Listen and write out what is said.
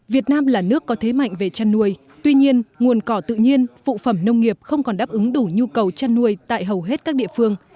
việt nam là nước có thế mạnh về chăn nuôi tuy nhiên nguồn cỏ tự nhiên phụ phẩm nông nghiệp không còn đáp ứng đủ nhu cầu chăn nuôi tại hầu hết các địa phương